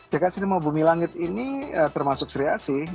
jagad cinema bunga langit ini termasuk seri asih